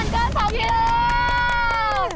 ผ่านเกิน๒โลลิเมตร